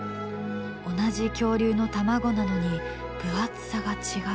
同じ恐竜の卵なのに分厚さが違う。